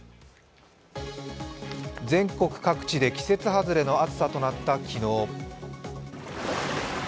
全国各地で季節外れの暑さとなった昨日。